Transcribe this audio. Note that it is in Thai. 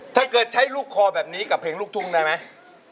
ถ้าเกิดใช้ลูกคอแบบนี้กับเพลงลูกทุ่งได้ไหม